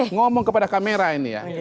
ngomong kepada kamera ini ya